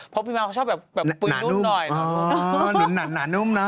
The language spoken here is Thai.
เพราะพี่ม้าเขาชอบแบบปุ๋ยนุ่มหน่อยหนานุ่มนะ